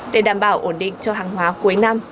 để đảm bảo ổn định cho hàng hóa cuối năm